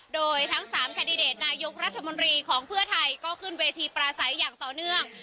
โดยทั้ง๓แคนดิเดตนายกรัฐมนตรีของเพื่อไทยก็ขึ้นเวทีปราศัยอย่างต่อเนื่อง